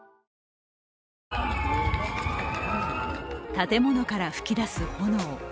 建物から噴き出す炎。